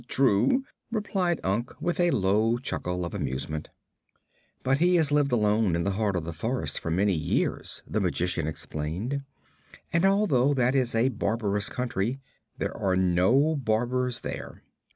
"True," replied Unc, with a low chuckle of amusement. "But he has lived alone in the heart of the forest for many years," the Magician explained; "and, although that is a barbarous country, there are no barbers there."